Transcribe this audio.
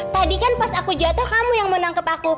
tadi kan pas aku jatuh kamu yang menangkep aku